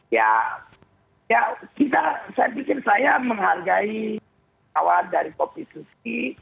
ya saya pikir saya menghargai kawan dari kopi susi